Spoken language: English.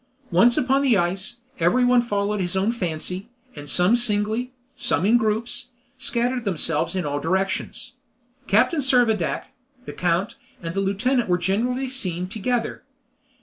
Once upon the ice, everyone followed his own fancy, and some singly, some in groups, scattered themselves in all directions. Captain Servadac, the count, and the lieutenant were generally seen together.